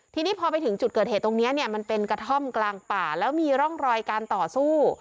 ทีนี้พอไปถึงจุดเกิดเหตุตรงนี้เนี่ยมันเป็นกระท่อมกลางป่าแล้วมีร่องรอยการต่อสู้